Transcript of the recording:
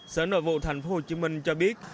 sở nội vụ tp hcm cho biết